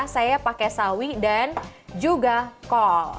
saya pakai sawi dan juga kol